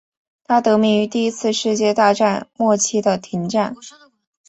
它得名于第一次世界大战末期的停战。